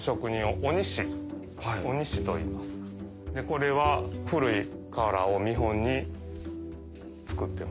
これは古い瓦を見本に作ってます。